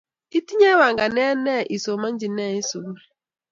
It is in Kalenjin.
Itinye panganet ne isomanchi ne eng sukul